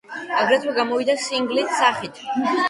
აგრეთვე გამოვიდა სინგლით სახით.